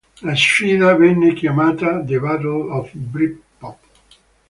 La sfida venne chiamata "The Battle of Britpop".